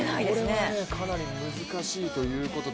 かなり難しいということで。